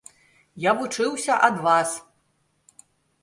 Я вучыўся ад вас.